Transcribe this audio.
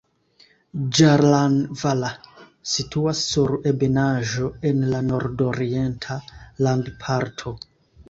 Ĝaranvala situas sur ebenaĵo en la nordorienta landparto.